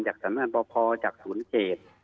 จากศาลงานพ่อจากศูนย์เกต